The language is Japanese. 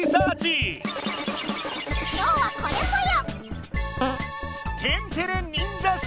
今日はこれぽよ！